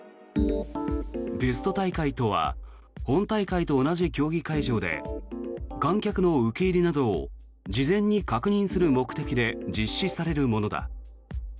テスト大会とは本大会と同じ競技会場で観客の受け入れなどを事前に確認する目的で実施されるものだ。